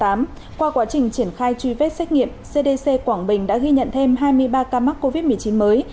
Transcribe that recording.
trong ngày hai mươi năm tháng tám qua quá trình triển khai truy vết xét nghiệm cdc quảng bình đã ghi nhận thêm hai mươi ba ca mắc covid một mươi chín mới